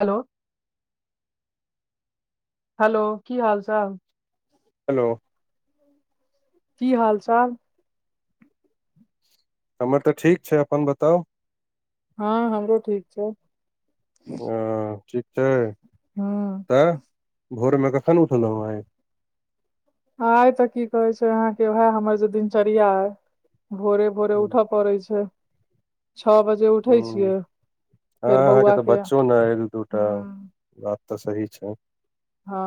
Hello hello कि हाल चल। हेलो कि हाल चाल हमर तऽ ठीक छैय अपन बताउ हा हमरो ठीक छैय। आ ठीक छैय, हँ तऽ, भौर मे कखन ऊठलो आइ। आई तऽ कि कहे छैय अहाँ के ओहा हमर जे दिनचर्या आइ, भोरे। भोरे हूँ उठऽ पड़ै छैय, छअ बजे उठै अउहू छियै अ फेर अहाँ के बौआ तऽ बच्चौ नै आइ दूटा हँ बात तऽ सही छैय हा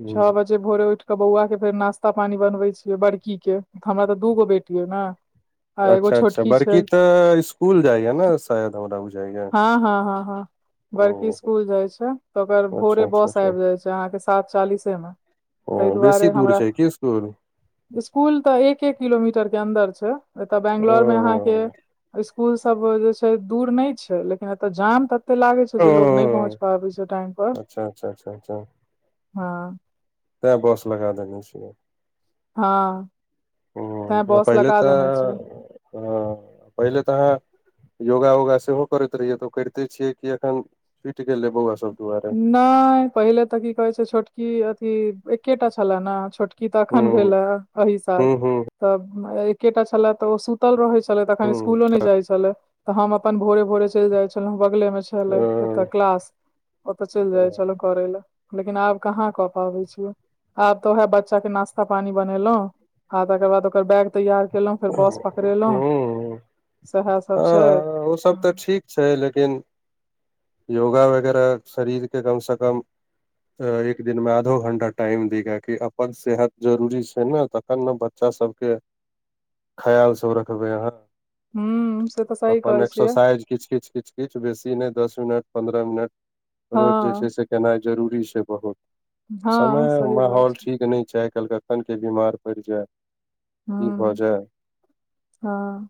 हूँ छ बजे भोरे ऊठ के बोआ के फेर नास्ता पानी बनबे छिये बड़कि के। हमरा तऽ दू गो बेटी यऽ न अच्छा अच्छा बड़की तऽ स्कूल जाइया ने शायद हमरा बुझाइया हा हा हा हा ओ बड़कि स्कूल जाई छैय तऽ ओकर भोरे अच्छा अच्छा बस अच्छा आइब जाइ छैय अहाँ के सात। चाली से मे ओ ताई बेसी दुआरे दूर हमरा। छै की स्कुल स्कूल तऽ एक एक किलोमीटरके अन्दर छै एतय ओ बैगलोरमे अहाँकेँ स्कूल सभ जे छै दूर नहि छै लेकिन एतय जाम त तऽ लागे छै ओ से लोग नहि पहुँच पाबै छै टाइम पर। अच्छा अच्छा अच्छा। ह तै बस लगा देने छै हँ तैं बस पहिल लगा देने छियै तऽ ह पहिले तऽ योगा वोगा सेहो करैत रहियै तऽ करिते छियै कि एखन फुटि गेलै योआ सभ दुआरे नहि पहिले ते कि कहे छै छोटकी अथी एकेटा छले ने छोटकी तऽ हूँ अखन भेल ह ए साल हूँ हूँ तऽ एकेटा छले तऽ ओ सुत तल रहे छले तखन हूँ स्कुलो नहि जाय छले तऽ हम अपन भोरे भोरे चलि जाय छले बगले मे चल ओतऽ क्लास। ओ तऽ चलि जाइ छल करे लए लेकिन आब कहा कऽ पाबै छियै आब तऽ वएहे बच्चा के नास्ता पानी बनेलो आ तकर बाद ओकर बैग तैयार खेलहुँ फेर बस पकड़ेलौ हूँ हँ ओ सभ तऽ ठीक छै लेकिन योगा वगैरह शरीर के कम से कम। एक दिन मे आधो घंटा टाइम देगा कि अपन सेहत जरुरी छै ने त एखन ने बच्चा सभके [inaudible] खयाल सभ रखबै अहाँ हू से तऽ सही अपन कहै छियै एक्सरसाइज किच किच कि। किछु बेसी नहि दस मिनट पन्द्रह मिनट हँ रोज जे छै से केनाई जरूरी छै बहुत हँ समय सही बात छै माहौल ठीक नहि छै आई कल्हिकखनके बीमार पड़ि जाय ह की भऽ जाय ह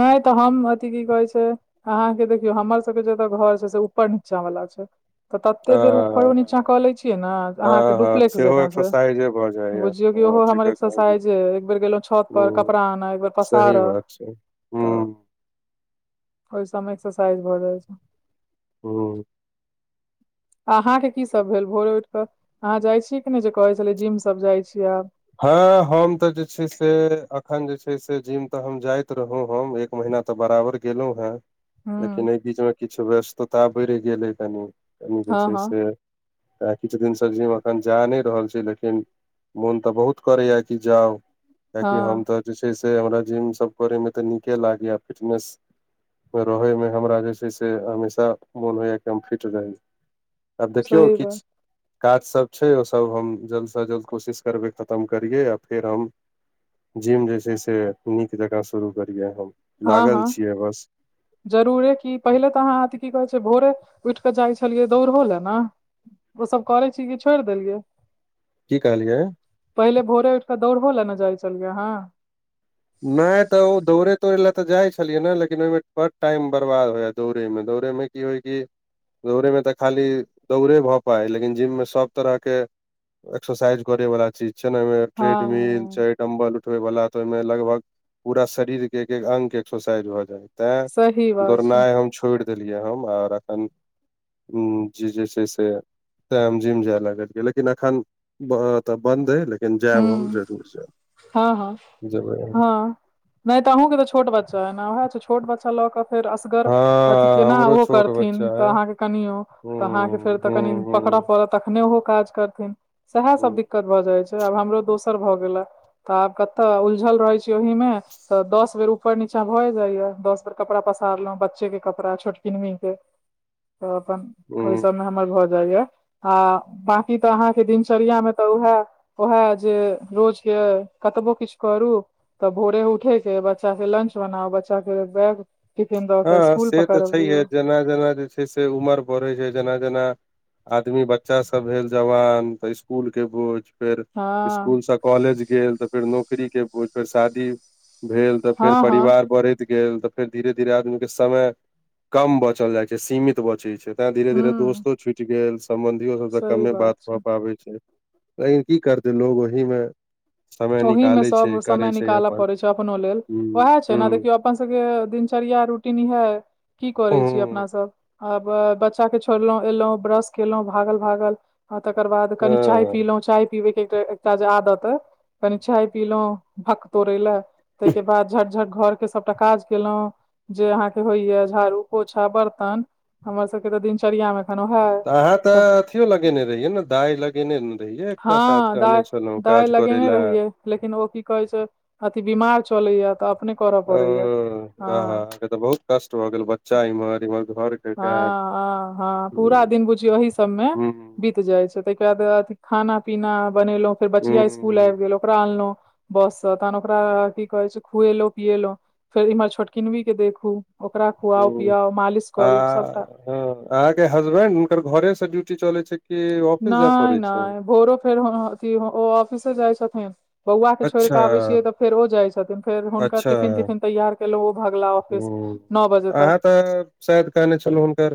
नहि तऽ हम अथि कि कहै छै अहाँकेँ देखियौ हमर सभके जेतऽ घर छै से ऊपर नीचा वला छै तऽ तते आ बेर ऊपरो नीचा कऽ ले छियै ने अहाँकेँ हँ हँ डुप्लेक्स सेहो जकाँ से एक्सरसाइजे भऽ जाइया बुझ जोकि हँ ओहो हमर ठीके कहलियै एक्सरसाइज एक बेर गेलो छात पर हूँ कपड़ा आन एक बेर सही पसार बात छै हूँ तऽ ओहि सभमे एक्सरसाइज भऽ जाइ छै ह। अहाँकेँ कि सभ भेल भोरे उठ कऽ अहाँ जाई छीयै कि नहि जे कहै छलै जिम सभ जाई छीयै आब ह हम तऽ जे छै से अखन जे छै से जिम तऽ हम जाइत रहौ हम एक महिना तऽ बराबर गेलहुँ हे हूँ लेकिन एहि बीच मे किछु व्यस्तता बढ़ि गेलै कनी कनी जे हँ छै हँ से तऽ किछु दिन स जी हम अखन जा नहि रहल छी लेकिन मोन तऽ बहुत करेया कि जाउ कियाकि हम हँ त जे छै से हमरा जिम सभ करे मे तऽ नीके लागैया फिटनेस रहे मे हमरा जे छै से हमेशा मोन होइया कि हम फिट रहि आब देखियौ सही किछु बात काज सभ छै ओ सभ हम जल्द से जल्द कोशिश करबे खतम करियए या फेर हम जिम जे छै से नीक जकाँ शुरू करियै हम। ह ह लागल छियै बस जरूरे कऽ पहिले तऽ अहाँ अथि कि कहे छै भोरे उठि कऽ जाइ छलियै दौड़हो लइ ने ओसभ करै छी कि छोड़ि देलियै कि कहलियै पहिले भोरे उठ कऽ दौड़बहो लए ने जाइ छलियै नै अहाँ नैय तऽ ओ दौड़े तौड़य लए तऽ जाइ छलियै ने लेकिन ओहिमे बड़ टाइम बर्बाद होया दौड़ैय दौड़ैय में। कि होई कि दौड़यमे तऽ खाली दौड़े भऽ पाई लेकिन जिममे सभ तरहके एक्सरसाइज करे वाला चीज छै ने ओहि मे ट्रेडमिल हँ छैह डम्बल उठबे वाला तऽ ओहि मे लगभग पूरा शरीर के एक एक अंग के एक्सरसाइज भऽ गेल ताॅ सही बात छै दौड़नाय हम। छोड़ि देलियै हम रतन जे से से छैय जे। ताहम जिम जाय लागलियै लेकिन एखनत बन्द ऐ लेकिन हूँ जाब हम जरूर सऽ। हँ हँ नहि तऽ अहूँके तऽ छोट बच्चा ऐ ने उएह छोट बच्चा लऽ कऽ। फेर असगर अथि हँ केना हमरो ओहो छोट करथिन बच्चा तऽ अइ अहाँकेँ कनियो। तऽ अहाँकेँ फेर हूं तऽ हूं कनी पकड़य पड़त तखने ओहो काज कर। सएह सभ हूं दिक्कत भऽ जाइ छै आब हमरो दोसर भऽ गेला तऽ आब कतऽ उलझल रहैय। चोहि मे तऽ दस बे रूप। उपर नीचा भऽ जाइया दस बेर कपड़ा पसारलो बच्चे के कपड़ा छोटकिमनी के। तऽ अपन ओहि हूं सभमे हमर घर। आ बकी तऽ अहाँकेँ दिनचर्या मे तऽ उएह। ओहा जे रोज के कतबो किछु करु। त भोरे उठेकेए बच्चा के लंच बनाउ बच्चा के बैग। टिफिन दऽ के ह स्कूल से तऽ छैहे पकड़बियौ जेना जेना जे छै से उमर बढ़ैय छै जेना जेना। आदमी बच्चा सभ भेल जवान तऽ स्कूल के बोझ। फेर हँ स्कूल कॉलेज गेल तऽ फेर नौकरीके पूर्व शादी। भेल तऽ फेर हँ हँ परिवार बढ़ैत गेल तऽ फेर धीरे धीरे आदमी के समय कम बचल जाय छै सिमित बचैय छैय ताॅ धीरे धीरे ह दोस्तो छुटि गेल सम्बंधियो सभ से सही कमे बात छै भऽ पाबैय छैय। तऽ कि करते लोग ओहि मे समय ओहि मे निकालै सभ छै समय करै छै निकालय अपन पड़ैय छैय अपनो लेल वएह ह छै ने देखियौव। अपन सभके दिनचर्या रूटीन इहा कि ह करैछी अपना हँ सभ आब बच्चा के छोड़लहुँ एलहुँ ब्रश केलहुँ भागल भागलऽ आ ताकर बाद कनी चाय पीलहूँ चाय पीलौव के एकटा जे आदत ऐ। कनी चाय पीलहूँ भक तोड़ैय ला ताहिके बाद झट झट घर के सभटा काज। केलहूँ जे अहाँ के होई या झाड़ू पोछा बर्तन हमर सबके त दिनचर्या मे हनो हर अहाँ तऽ अथियो लगेने रहिये ने दाई लगेने ने रहिये एकटा साद कहने छलहूँ। दाय लगेने रहियै लेकिन ओ कि कहै छै अथि बीमार चलैया तऽ अपने करऽ ओ पड़ैया हा वाह अहाँके तऽ बहुत कष्ट भऽ गेल बच्चा इम्हर इम्हर घर के हा काज आ हा पूरा हूँ दिन बुझियौ ओहि सभमे हूँ बीत जाय छै ताहिके बाद खाना पीना बनेलहूँ फेर बचिया इसु। स्कूल आबि गेल ओकरा आनलहुँ बस सऽ तहन ओकरा कि कहे छै खुएलहुँ पियएलहु। फेर ईम्हर छोटकिनवी के देखू ओकरा खुआ हूँ पियाउ मालिश। आ करू सबटा हैं अहाँ के हसबेंड हुनकर घरे से ड्यूटी चले छैय। नैय नैय भोरो फेर हॅंओ ऑफ़िस जाइ छथिन। बौआ के छोड़िक अच्छा के आबैय छियै तऽ फेर ओ जाय छथिन फेर हुनक अच्छा टफिन टफिन तैयार। पहिलो ओ भागला ऑफिस हूँ नओ बजे तक [unintelligible] शायद कहने छलहु हुनकर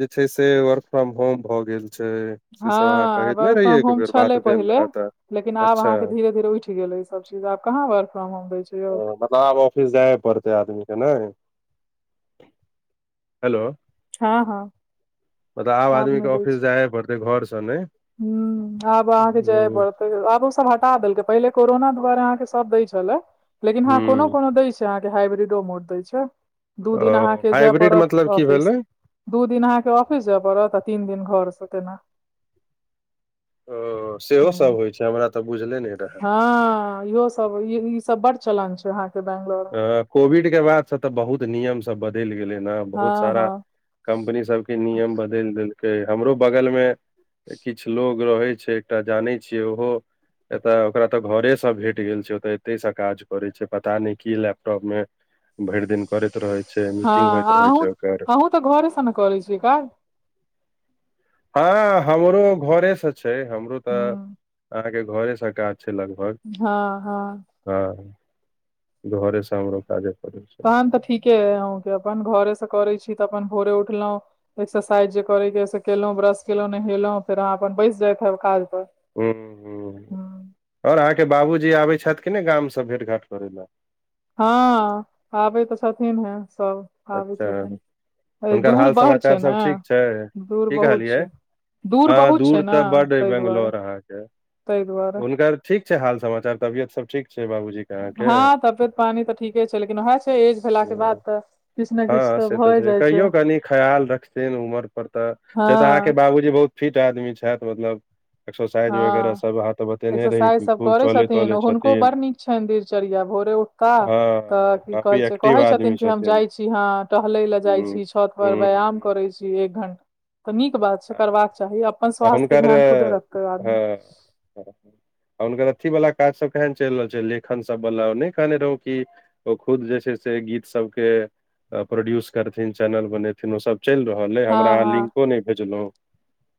जे छै स वर्क फ्रॉम होम भऽ गेल छैय हा वर्क फ्रॉम होम छलैय भेल पहिले। रहए तऽ लेकिन आब अच्छा अहाँकेँ धीरे धीरे उठ गेलेय ई सभ चीज आब कहाँ वर्क फ्रॉम होम दैं छै अ, यौव। मतलब आब ऑफिस जाय पड़तै आदमी के नै हेलो हा हा मतलब आब हाब आदमी के नैय जैयछी ऑफिस जाये पड़तै घर से नै आब अहाॅंकेँ जाये हूँ परत। आब ओ सभ हटा देलकै पहिले कोरोना दुआारे अहाँकेँ सभ दै छले। लेकिन अह कोनो हूँ कोनो दै के हाइब्रिडो मोड द छै। दू दिन ओ अहाँकेँ जाय हाइब्रिड पड़त मतलब की ऑफिस भेलै दू दिन अहाँकेँ ऑफिस जाय पड़त आ तीन दिन घर से तेना। ओ सेहो सब होइ छै हमरा तऽ बुझले नै रहए हा इहो स सभ ई सभ बड चलान छैय अहाॅंकेँ बेगलोर। कोविड के बादसँ तऽ बहुत नियम सभ बदलि गेलै। ह बहुत हँ सारा हँ कम्पनी सभ के नियम बदलि देलकै। हमरो बगल मे किछु लोग छै। एकटा जानै छियै। ओहो एताे ओकरा ते घरे से भेट गेल छै। ओताे एते से काज करे छै। पता नै कि लैपटॉप मे भरि दिन करैत रहे छै। मीटिंग होइत रहे छै। ओकर घर सँ ने करै छै कऽ ह हमरो घरे से छै। हमरो तऽ ह अहाँकेँ घरे से काज छै। लगभग ह ह ह घरे सामरो काजे करड़ै छै। तहन तऽ ठीके हय अके अपन घरे से करै छी तऽ अपन भोरे उठलहुँं एक्सरसाइज जे करेके से केलहुँ ब्रश केलहुँ नहेलहुँ फेर अहाँ अपन बेस जायइत हेब काज पर हुं हूं हूँ आओर अहाँके बाबूजी आबै छथि। कि नहि गामसँ भेट घाट करै लए। हँ आबै तऽ छथिन ह सभ आबै अच्छा छथिन। हुनकर दूर हाल बड़ छै समाचार सब ने ठीक छै। दूर की बहुत कहलियै छै हँ बहुत छै दूर ने तऽ बड्ड हय ताहि दुआरे बंगलोर अहाँके ताहि दुआरे हुनकर ठीक छै। हाल समाचार तबियत सब ठीक छै बाबूजी के हँ अहाँके तबियत पानि तऽ ठीके छै। लेकिन उएह छै ऐज भेलाके बाद तऽ किछु ने किछु हँ से तऽ भए छै जाइ कहियो कनी खयाल रखथिन उमर पर तऽ से तऽ अहाँके हँ बाबूजी बहुत फिट आदमी छथि‌मतलब एक्सरसाइज वगैरह हँ सब अहा त बतेने रही एक्सरसाइज सब खूब करै चले छथिन तले हुनको छथिन। बड़ नीक छनि दिनचर्या भोरे उठता तऽ हँ की कहै काफी छै एक्टिव कहै छथिन आदमी कि हम जाइ छी। छी हँ टहलै लए जाइ हूँ छी। छत पर व्यायाम हूँ करै छी। एक घण्टा तऽ नीक बात छै करबाक आ चाही अपन स्वास्थ्य के हुनकर ध्यान खुदे रखै हँ आ हुनकर अथी वाला काज सब केहन चलि रहल छै लेखन सब वाला नहि कहने रहौ की ओ खुद जे छै से गीत सबके प्रोड्यूस करथिन चैनल बनेथिनओसभ चलि रहल ए हँ हमरा अहाँ हँ लिंको नहि भेजलौ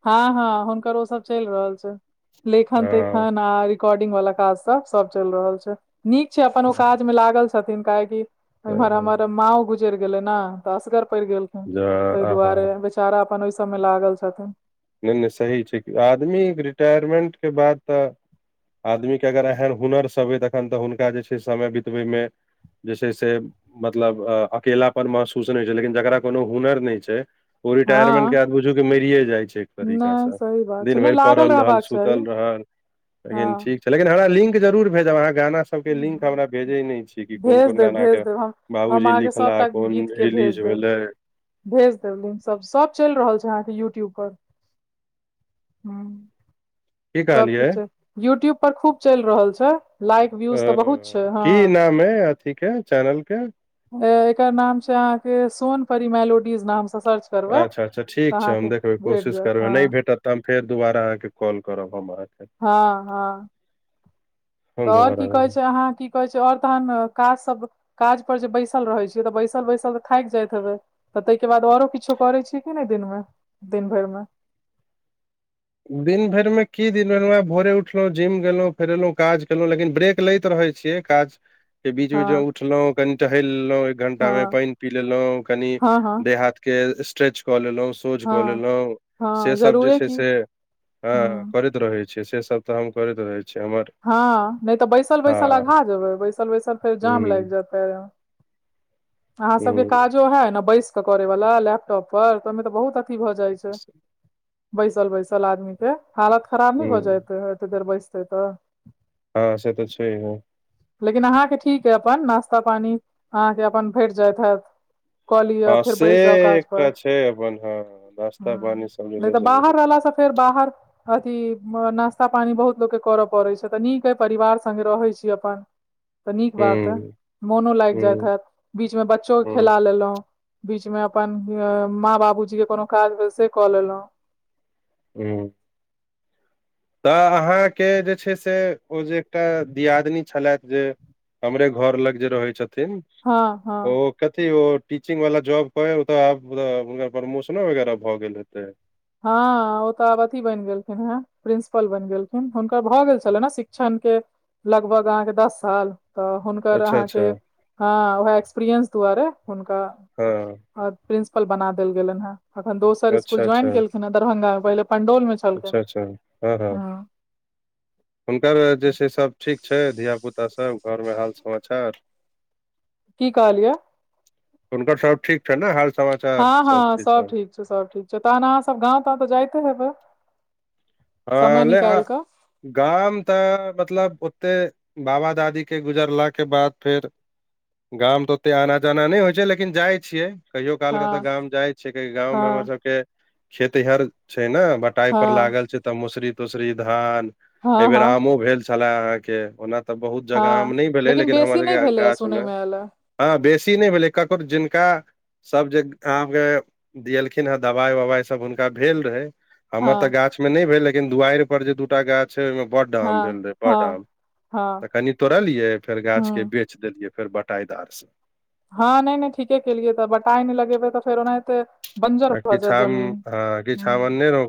हँ हँ हुनकर ओ सब चलि रहल छै लेखन ते हँ ह रिकॉर्डिंग वाला काज सब सब चलि रहल छै। नीक छै। अपन ओ काज में लागल छै। छथिन काहेकि इम्हर हमर ज मा गुजैर गेलै ने तऽ असगर पड़ि गेल। ताहि आहा दुआरे बेचारा अपन ओहि सबमे लागल छथिन। नहि नहि सही छै आदमी रिटायरमेंट के बाद तऽ आदमीके अगर एहन हुनरसभ अइ तखन तऽ हुनका जे छै। समय बितबैमे जे छै से मतलब अ अकेला पन महसूस नहि होइ छै। लेकिन जकरा कोनो हुनर नहि छै। ओ रिटाायरमेंट के हँ बाद बुझू के मरिये जाइ छै। तरीका नहि से सही बात छै दिन नहि भरि लागल पड़ल रहल रहबाक चाही सुतल रहल लेकिन हँ लेकिन हमरा लिंक जरूर भेजब अहाँ गाना सबके लिंक हमरा भेजै नहि छी। कि कोन भेज कोन देब गाना भेज के देब हम हम बाबूजी अहाँके लिखला सभटा कोन गीतके भेज रिलीज देब भेलै। भेज देब लिंक सब सब चलि रहल छै। अहाँके यूट्यूब पर ह की कहलियै सबकुछ यूट्यूब पर खूब चलि रहल छै। लाइक व्यूज तऽ बहुत छै। हँ की हँ नाम अइ अथी के चैनल के एकर नाम छै। अहाँ के सोन परिमैलोडीज नाम से सर्च करबै अच्छा अच्छा तऽ ठीक छै अहाँके हम देखबै भेट कोशिश जायत करबै हँ नहि भेटत तऽ हम फेर दुबारा अहाँके कॉल करब हम अहाँके हँ हँ त हम आओर दोबारा की कहै छै अहाँ क कहै छै आओर तहन काज सब काज पर जे बैसल रहै छियै। तऽ बैसल बैसल तऽ थाकि जाइत हेबै तऽ ताहिके बाद आओरो किछो करैत छियै। कि नहि दिनमे दिन भरि मे दिन भरि में की दिन भेलरहुं आब भोरे उठलों जिम गेलोँ फेर एलौ काज केलौ लेकिन ब्रेक लैत रहै छै। छिय काज के बीच हँ बीच उठलौ कनि टहल लेलहु एक घंटा हँ मे पानि पी लेलहु कनि हँ हँ देह हाथ के स्ट्रेच कऽ लेलहुँ शोझ कऽ हँ लेलौसे हँ सब जे जरूरे छै की से हँ करैत रहै छियै से सब तऽ हम करैत रहै छियै हमर हँ नहि तऽ बैसल बैसल हँ अघा जेबै बैसल बैसल फेर जाम लागि हूँ जायत ह अहाँ सबके काज हूँ जो है न बैस के करे वाला लैपटॉप पर तऽ ओहिमे तऽ बहुत अथी भऽ जाइ छै बैसल बैसल आदमी के हालत खराब न हो हुं जयते एते देर बैसते तऽ हँ से तऽ छै ह लेकिन अहाँके ठीक है अपन नाास्ता पानी अहाँके अपन भेट जायइत हत कऽ लिअ हँ फेर से बैस जाउ काज पर एकटा छै अपन हँ ह नाश्ता पानी सब नहि जे तऽ छै बाहर रहलासँ फेर बाहर अथी नाास्ता पानी बहुत लोग के करऽ पड़े छै अच्छा तऽ नीक अइ परिवार सङ्गे रहैत छी अपन तऽ नीक बात है हुं मोनो लागि जायइत हुं हैत बीचमे बच्चोे हुं खेला लेलहुँ बीच मे अपन माँ बाबूजी के कोनो काज भेल से कऽ लेलहुँ हू तऽ अहाँके जे छै से ओ जे एकटा दियादिननी छलथि जे हमरे घर लग जे रहै छथिन हँ हँ ओ कथी ओ टीचिंग वालला जॉब कह तऽ आब हुनकर प्रमोशनो वगैरह भए गेल हेतै हँ ओ तऽ अब अथी बनि गेलखिन हे प्रिंसिपल बनि गेलखिन हुनकर भऽ गेल छलनि ने शिक्षण के लगभग अहके दस साल तऽ हुनकर अच्छा अच्छा अहाँके ह एकसपीरियंस दुआरे हुनका हँ आ प्रिंसिपल बना देल गेल हे अखन दोसर स्कुल अच्छा अच्छा ज्वाइन केलख ह दरभंगा मे पहिल पंडोल मे छलखिन अच्छा अच्छा हँ हँ हुनकर जे छै सभ ठीक छै धियापुतासभ घरमे हाल समाचार की कहलियै हुनकर सब ठीक छ ने हाल समाचार हँ हँ सबचीज सब ठीक सब ठीक छै तहन अहाँ सब गाँव तऽ जाइते हेबै हँ समय ल निकालि कऽ गाम तऽ मतलब ओतेक बाबा दादीके गुजरलाके बाद फेर गाम तऽ ओते आना जाना नहि होइ छै लेकिन जाइ छियै कहियो काल के तऽ हँ गाँं जाय छियै गाँं में हमर हँ सबके खेत हर छै ने ब टाइ पर हँ लागल छै तऽ मसरी तूसरी धान एहि हँ बेेर हँ आमो भेल छले अहाँ के ओना तऽ बहुत जगह आम हँ नहि भेलै लेकिन बेसी नहि हमरके भेलैए गाछ मे सुनयमे एलए हँ बेसी नहि भेलै ककरो जिनका सभ जे अहाँके दियलखिन हेँ दबाइ ववाइ सभ हुनका भेल रहै हमर हँ तऽ गाछ में नहि भेल लेकिन दुआरि पर जे दूटा गाछ ओहिमें बड आम हँ भेल रहे बड हँ आम तऽ हँ कनि तोड़लियै फेर गाछ के हँ बेच देलियै फेर बटाईदार से हँ नहि नहि ठीके केलियै तऽ बटाइ नहि लगेबे तऽ फेर ओनाहिते बंजर आ भऽ जाय किछु आम जमीन हँ किछु ह आम अनने रहौं